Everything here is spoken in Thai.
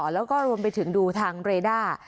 แล้วก็รวมไปถึงดูทางเรด้า